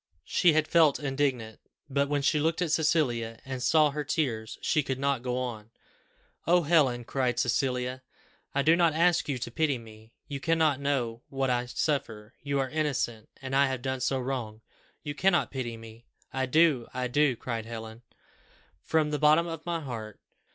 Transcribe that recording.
She had felt indignant; but when she looked at Cecilia, and saw her tears, she could not go on. "Oh Helen!" cried Cecilia, "I do not ask you to pity me. You cannot know what I suffer you are innocent and I have done so wrong! You cannot pity me." "I do, I do," cried Helen, "from the bottom of my heart.